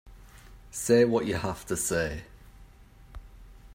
Say what you have to say.